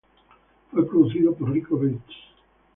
Fue producido por Rico Beats.